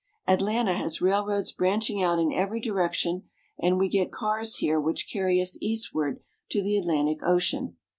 Atlanta has railroads branching out in every direction, and we get cars here which carry us eastward to the Atlantic Ocean.